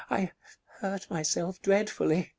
I hurt myself dreadfully.